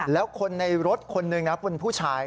แล้วคนในรถคนนึงนะครับคุณผู้ชาย